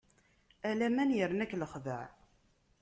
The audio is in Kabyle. A laman yerna-k lexdeɛ.